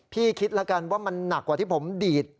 คิดแล้วกันว่ามันหนักกว่าที่ผมดีด